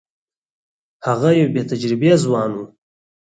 هغه یو بې تجربې ځوان وو.